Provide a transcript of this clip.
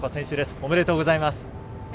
ありがとうございます。